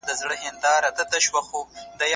انسانان په ټولنه کي بېلابېل فکري تړاوونه لري.